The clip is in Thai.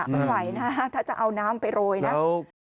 ไม่ไหวนะฮะถ้าจะเอาน้ำไปโรยนะ